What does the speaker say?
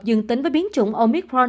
dương tính với biến chủng omicron